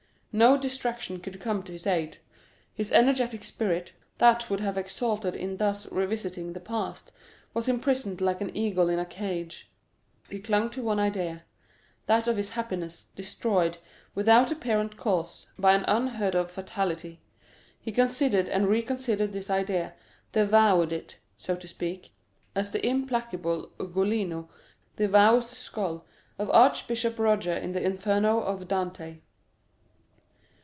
No distraction could come to his aid; his energetic spirit, that would have exalted in thus revisiting the past, was imprisoned like an eagle in a cage. He clung to one idea—that of his happiness, destroyed, without apparent cause, by an unheard of fatality; he considered and reconsidered this idea, devoured it (so to speak), as the implacable Ugolino devours the skull of Archbishop Roger in the Inferno of Dante.